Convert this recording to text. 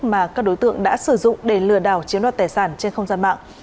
mà các đối tượng đã sử dụng để lừa đảo chiếm đoạt tài sản trên không gian mạng